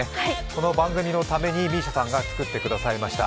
この番組のためにＭＩＳＩＡさんが作ってくださいました。